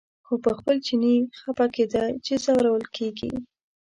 خو په خپل چیني خپه کېده چې ځورول کېږي.